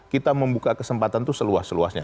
kita membuka kesempatan itu seluas luasnya